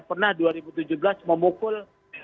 pernah dua ribu tujuh belas memukul